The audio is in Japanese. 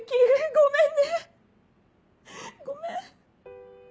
ごめん！